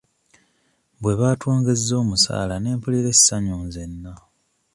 Bwe baatwongezza omusaala ne mpulira essanyu nzenna.